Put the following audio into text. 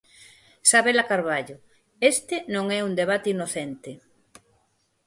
Sabela Carballo: Este non é un debate inocente.